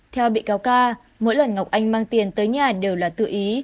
theo bị cáo ca mỗi lần ngọc anh mang tiền tới nhà đều là tự ý